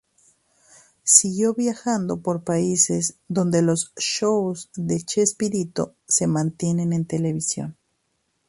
Siguió viajando por países donde los "shows" de "Chespirito" se mantienen en televisión.